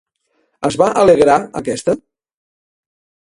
Es va alegrar aquesta?